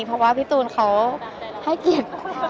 เพราะว่าพี่ตูนเขาให้เกียรติ